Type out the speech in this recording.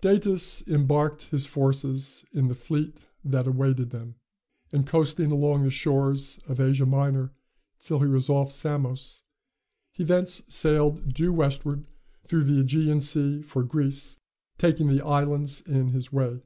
Datis embarked his forces in the fleet that awaited them, and coasting along the shores of Asia Minor till he was off Samos, he thence sailed due westward through the Ægean Sea for Greece, taking the islands in his way.